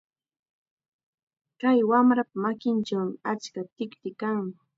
Kay wamrapa makinchawmi achka tikti kan.